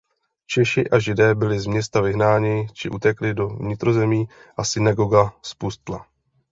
Češi a Židé byli z města vyhnáni či utekli do vnitrozemí a synagoga zpustla.